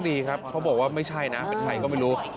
ดีครับเขาบอกว่าไม่ใช่นะเป็นใครก็ไม่รู้